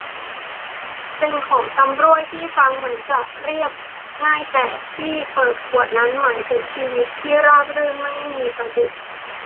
เป็นของชำร่วยที่ฟังเหมือนจะเรียบง่าย แต่ที่เปิดขวดนั้นหมายถึงชีวิตที่ราบรื่นไม่มีสะดุด